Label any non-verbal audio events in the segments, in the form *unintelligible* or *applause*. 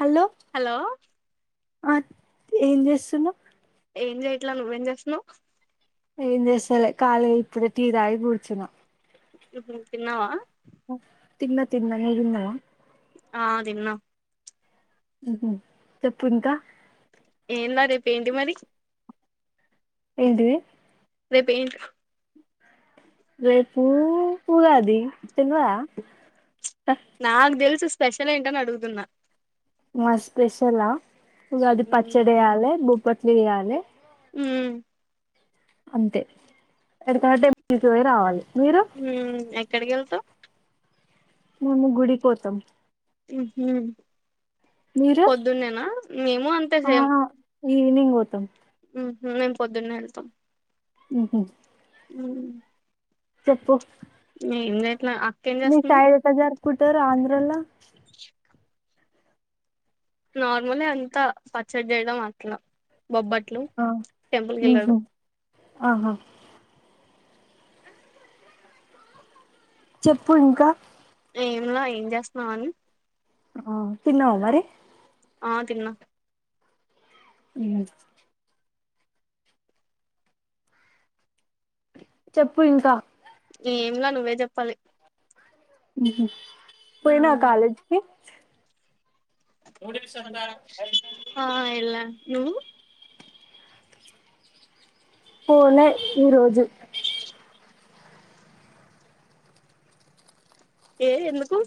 hello hello ఆ ఏం చేస్తున్నా ఏం చేయట్లా నువ్వేం చేస్తున్నావ్ ఏం చేస్తాలే కాలీ ఇప్పుడు టీ తాగి కూర్చున్న ఉ తిన్నావా ఉ తిన్నా తిన్నా నువ్వు తిన్నావా ఆ తిన్నా ఉహు చెప్పు ఇంకా ఏంలా రేపు ఏంటి మరి ఏంటిది రేపు ఏంటి రేపు ఉగాది తెల్వదా నాకు తెలుసు స్పెషల్ ఏంటని అడుగుతున్నా మా స్పెషలా ఉగాది పచ్చడి వేయ్యాలే బొబ్బట్లు చేయాలే ఉ అంతే ఎటైనా టెంపుల్ పోయి రావాలి మీరు ఎక్కడకి వెళ్తావ్ మేము గుడికి పోతాం ఉహు మీరు పొద్దున్నేనా మేము అంతే ఆ సేం ఈవినింగ్ పోతాం మేము పొద్దున్నే వెళ్తాం ఉహూ ఉ చెప్పు ఏం చేయట్లే అక్క చేస్తుంది కుట్టార ఆంధ్రలో నార్మలే అంతా పచ్చడి చేయడం అట్లా బొబ్బట్లు ఆ టెంపుల్కి వెళ్ళాడం ఉహు ఆహా చెప్పు ఇంకా ఏం లా ఏ చేస్తున్నావ్ అని ఆ తిన్నావా మరి ఆ తిన్నా ఉ చెప్పు ఇంకా ఏమిలా నువ్వే చెప్పాలి ఉహు పోయినవా ఉమ్, కాలేజ్ కీ ఆ వెళ్ళా నువ్వు పోలా ఈరోజు లేదు ఎందుకు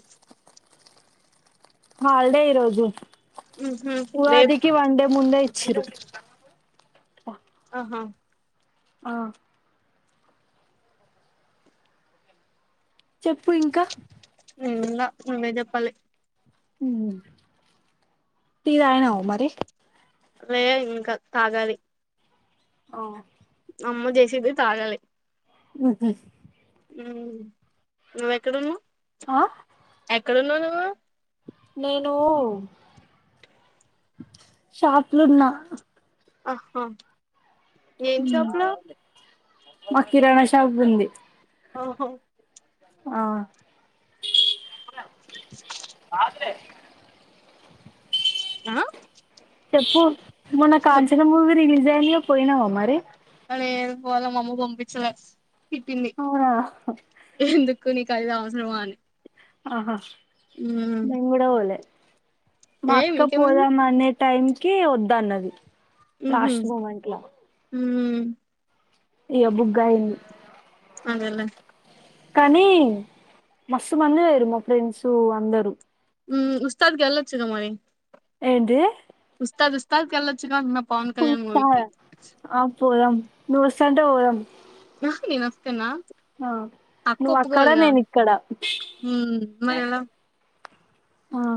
హల్ డే ఈరోజు ఉహు రేప్ ఉగాదికి వన్ డే ముందే ఇచ్చిరు *unintelligible* ఆహా ఆ చెప్పు ఇంకా ఎమ్ లా నువ్వే చెప్పాలి ఉ టీ తాగినవా మరి లేదు ఇంకా తాగాలి ఆ అమ్మ చేసింది తాగాలి ఉహు ఉ నువ్వెక్కడున్నావు ఎక్కడున్నావు నువ్వు నేను షాపులో ఉన్నా ఆహా ఏం మ్ షాప్ లో మా కిరాణా షాపు ఉంది ఆ హో ఆ ఆ చెప్పు మొన్న చెప్ కాంచనా మూవీ రిలీజ్ అయిందిగా పోయినావా మరి అ ఏడ పోల అమ్మ పంపించలే తిట్టింది అవునా ఎందు కు నీకు అది అవసరం అని ఆహా ఉమ్ నేను కూడా పోలే మా ఏ అక్క మీకేమైంది పోదాం అనే టైం కి వద్దన్నది లాస్ట్ మూమెంట్ లో మ్ ఇగ బుగ్గయింది అదేలే కానీ మస్తు మంది పోయిర్రు మా ఫ్రెండ్స్ అందరు ఉ ఉస్తాద్ కెళ్లొచ్చుగా మరి ఏంటి స్తా ఉస్తాద్ కెళ్లొ మ్ ఆ పోదాం నువ్వొస్తానంటే పోదాం నహో నే వస్తన్న ఆ నువ్ అక్కడ నేను ఇక్కడ హ్మ్ మరెలా ఆ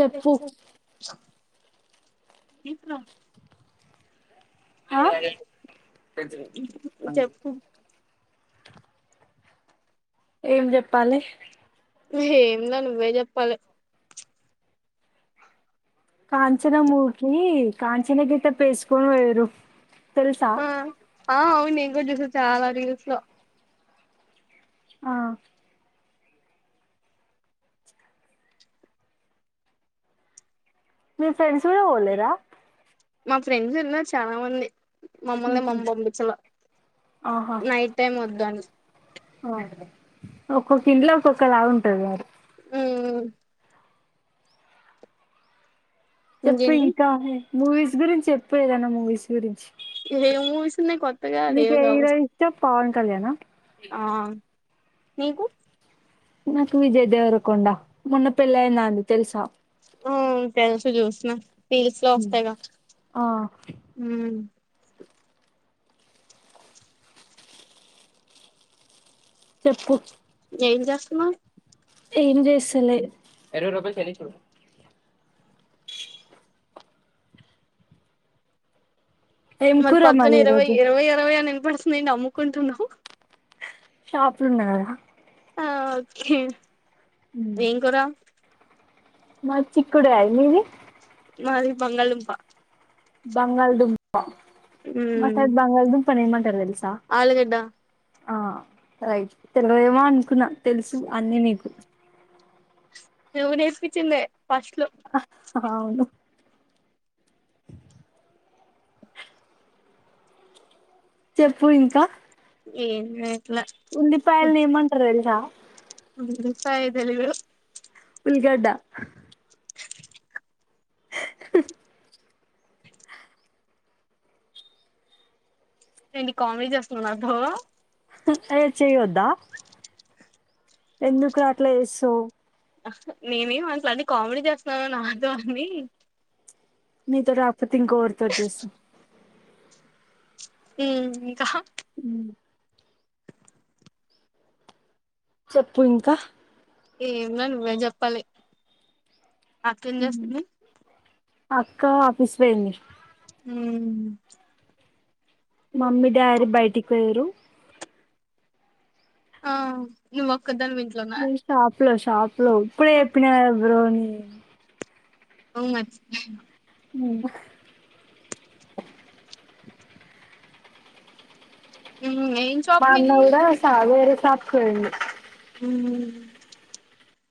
చెప్పు తెచ్చేయ్.. ఇంట్లో ఆ చెప్పు ఏం జేప్పాలి ఏంలా నువ్వే చెప్పాలే కాంచనా మూకి కాంచనా గెటపేసుకొని పోయిర్రు తెలుసా ఆ ఆ అవును నేను కూడా చూసా చాలా రీల్స్ లో ఆ మీ ఫ్రెండ్స్ కూడా బోలేరా మా ఫ్రెండ్స్ వెళ్ళారు చాలా మంది మమ్మల్ని మామ్మ పంపిచ్చలా ఆహా నైట్ టైం వద్దాని ఒక్కొక్క ఇంట్లో ఒక్కొక్కలాగుంటది గదా ఊ చెప్పు ఇంకేంటి ఇంకా మూవీస్ గురించి చెప్పేదన్న మూవీస్ గురించి ఇదే మూవీస్ ఉంది కొత్తగా నీకు ఏ హీరో రేవగావస్త ఇష్టం పవన్ కళ్యాణా ఆ నీకు నాకు విజయ్ దేవరకుండా మొన్న పెళ్ళయిందిఆంది తెలుసా ఊ తెలుసు చూసిన ఫీల్స్ లో వస్తాయి క ఆ ఊ చెప్పు ఎం జేస్తున్నవ్ ఏం చేస్తలేరు ఏం మరి కూర పక్కన మళ్ళీ ఇరవై ఈరోజు ఇరవై ఇరవై అని వినపడుతున్నాదేంటి అమ్ముకుంటున్నావ్ సున్నా ఆ ఓకే ఏం కురా మది చిక్కుడుకాయి మీది మాది బంగాళాదుంప బంగాళదుంప మా ఉమ్ సైడు బంగాళదుంపని ఏమంటారో తెలు ఆలుగడ్డ ఆ రైట్ తెలియేమో అనుకున్నా తెలుసు అన్నీ మీకు నువ్వు నేర్పించిందే ఫస్ట్ లో అవును చెప్పు ఇంకా ఏం లేదు ఉల్లిపాయల్ నేమంటారు తెల్సా ప్పాయ తెలిదు ఊళ్లగెడ్డ ఏంటి కామెడీ చేస్తున్నావా నాతో అయో చేయద్దా ఎందుకు అట్లా చేస్తావ్ నేనేం అనట్లేదు అన్ని కామెడీ చేస్తున్నాను నాతో అన్ని నీతో కాకపోతే ఇంకో రితో చేస్తా హ్మ్మ్ ఇంకా ఉమ్మ్ చెప్పు ఇంకా ఎంలే నువ్వే చెప్పాలి అక్కేమ్ చేస్తుంది అక్క ఆఫీస్ పోయింది హమ్మ్ మమ్మీ డాడీ బయటికి పోయిరు ఆ నువ్ ఒక్కదని వింట్లోన్న ప్లో షాప్ లో ఇప్పుడే చెప్పిన గ బ్రోఅని అవునా హ్మ్మ్ ఉమ్ ఏం షాప్ మొన్న మీది కూడా కూడా వేరే షాప్ కీ పోయింది ఉహ్మ్మ్